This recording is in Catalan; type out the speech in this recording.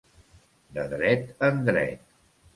De dret en dret.